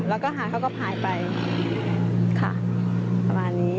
แล้วก็หายเขาก็หายไปค่ะประมาณนี้